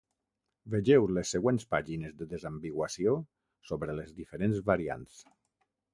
Vegeu les següents pàgines de desambiguació sobre les diferents variants.